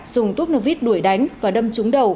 dùng túp nô vít đuổi đánh và đâm trúng đầu